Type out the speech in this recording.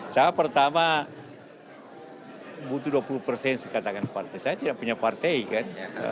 saya pertama butuh dua puluh persen katakan partai saya tidak punya partai kan